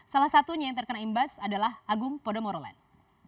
salah satunya yang terkena imbas adalah agung podomoro land